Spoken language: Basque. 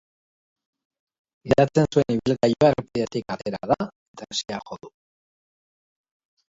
Gidatzen zuen ibilgailua errepidetik atera da eta hesia jo du.